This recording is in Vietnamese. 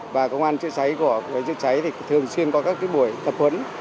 và công an chữa cháy của chữa cháy thì thường xuyên có các buổi tập huấn